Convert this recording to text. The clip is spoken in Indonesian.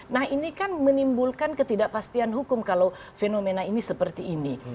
nah ini kan menimbulkan ketidakpastian hukum kalau fenomena ini seperti ini